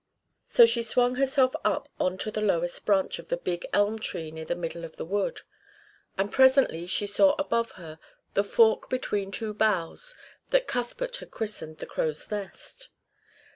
So she swung herself up on to the lowest branch of the big elm tree near the middle of the wood; and presently she saw above her the fork between two boughs that Cuthbert had christened the crow's nest.